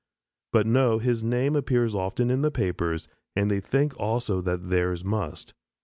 But no, his name appears often in the papers and they think also that theirs must.